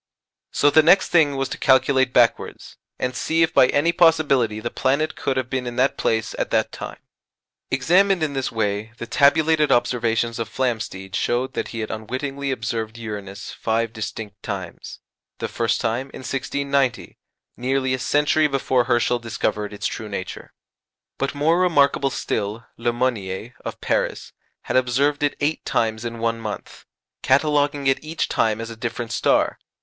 So the next thing was to calculate backwards, and see if by any possibility the planet could have been in that place at that time. Examined in this way the tabulated observations of Flamsteed showed that he had unwittingly observed Uranus five distinct times, the first time in 1690, nearly a century before Herschel discovered its true nature. But more remarkable still, Le Monnier, of Paris, had observed it eight times in one month, cataloguing it each time as a different star.